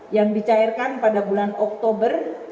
yang dicairkan pada bulan oktober